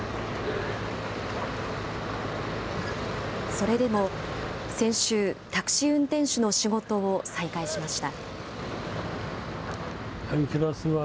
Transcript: それでも先週、タクシー運転手の仕事を再開しました。